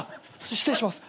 失礼します。